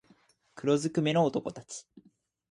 黒づくめの男たち